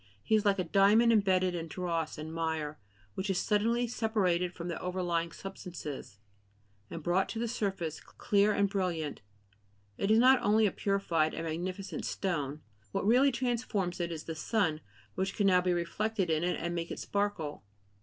He is like a diamond embedded in dross and mire which is suddenly separated from the overlying substances, and brought to the surface, clear and brilliant; it is not only a purified and magnificent stone; what really transforms it is the sun, which can now be reflected in it and make it sparkle.